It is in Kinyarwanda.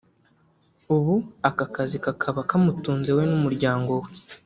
ubu aka kazi kakaba kamutunze we n’umuryango we